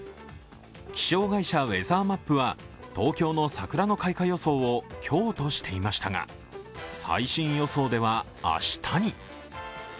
気象会社、ウェザーマップは東京の桜の開花予想を今日としていましたが、最新予想では、明日に。